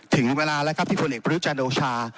ถึงเวลาแล้วครับที่คนเห็นประยุทธแจนโดชา